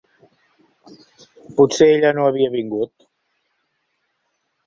Potser ella no havia vingut.